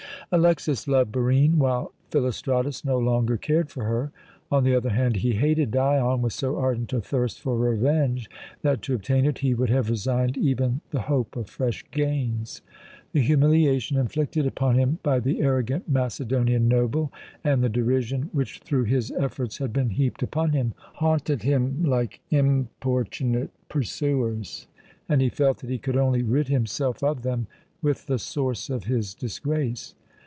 Alexas loved Barine, while Philostratus no longer cared for her. On the other hand, he hated Dion with so ardent a thirst for revenge that, to obtain it, he would have resigned even the hope of fresh gains. The humiliation inflicted upon him by the arrogant Macedonian noble, and the derision which through his efforts had been heaped upon him, haunted him like importunate pursuers; and he felt that he could only rid himself of them with the source of his disgrace.